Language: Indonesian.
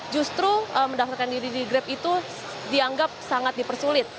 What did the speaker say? justru mendaftarkan diri di grab itu dianggap sangat dipersulit